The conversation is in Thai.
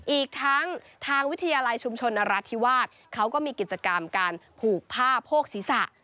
อีกทั้งทางวิทยาลัยชุมชนนรัฐธิวาสเขาก็มีกิจกรรมการผูกผ้าโพกศีรษะ